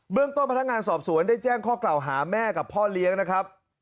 เรื่องต้นพนักงานสอบสวนได้แจ้งข้อกล่าวหาแม่กับพ่อเลี้ยงนะครับ